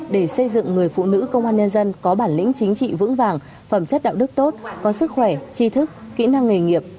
để xây dựng người phụ nữ công an nhân dân có bản lĩnh chính trị vững vàng phẩm chất đạo đức tốt có sức khỏe tri thức kỹ năng nghề nghiệp